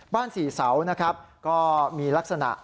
บ้านสี่เสาก็มีลักษณะ